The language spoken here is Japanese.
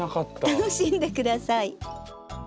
楽しんで下さい。